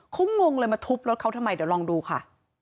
เขางงเลยมาทุบรถเขาทำไมเดี๋ยวลองดูค่ะ